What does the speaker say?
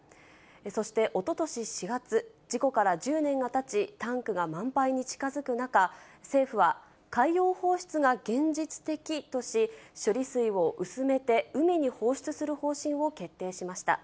そしておととし４月、事故から１０年がたち、タンクが満杯に近づく中、政府は海洋放出が現実的とし、処理水を薄めて海に放出する方針を決定しました。